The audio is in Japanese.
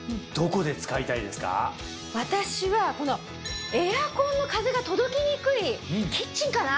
私はこのエアコンの風が届きにくいキッチンかな。